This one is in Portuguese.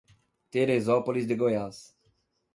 Terezópolis de Goiás